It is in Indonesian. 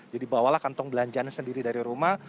jadi bawalah kantong belanjaan sendiri dari rumah